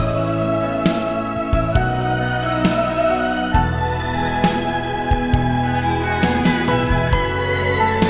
jangan kalian pergi